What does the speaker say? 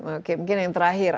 oke mungkin yang terakhir